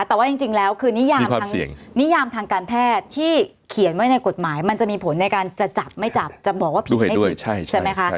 แต่ว่าจริงแล้วคือนิยามทางนิยามทางการแพทย์ที่เขียนไว้ในกฎหมายมันจะมีผลในการจะจับไม่จับจะบอกว่าผิดใช่ไหมคะ